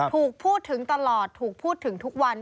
ถูกพูดถึงตลอดถูกพูดถึงทุกวัน